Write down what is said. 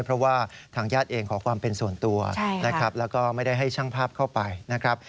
เพราะว่าทางญาติเองขอความเป็นส่วนตัวนะครับแล้วก็ไม่ได้ให้ช่างภาพเข้าไปนะครับ